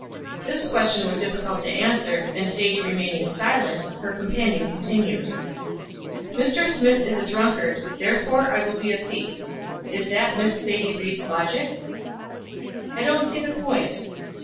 This question was difficult to answer, and Sadie remaining silent, her companion continued: "Mr. Smith is a drunkard; therefore I will be a thief. Is that Miss Sadie Ried's logic?" "I don't see the point."